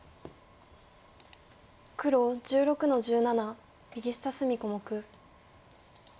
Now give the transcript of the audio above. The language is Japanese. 黒１６の十七右下隅小目。